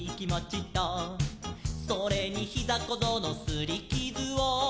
「それにひざこぞうのすりきずを」